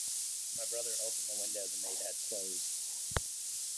My brother opened the window the maid had closed.